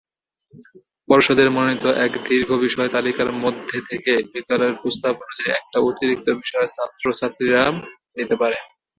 পর্ষদের মনোনীত এক দীর্ঘ বিষয় তালিকার মধ্যে থেকে বিদ্যালয়ের প্রস্তাব অনুযায়ী একটা অতিরিক্ত বিষয় ছাত্রছাত্রীরা নিতে পারে।